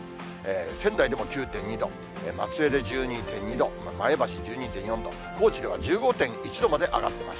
仙台でも９．２度、松江で１２．２度、前橋１２．４度、高知では１５．１度まで上がってます。